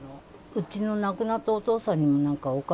うちの亡くなったお父さんにも、なんかお金、